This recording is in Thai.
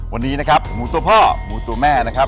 วันนี้นะครับหมูตัวพ่อหมูตัวแม่นะครับ